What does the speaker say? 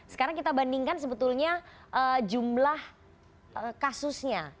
sekarang kita bandingkan sebetulnya jumlah kasusnya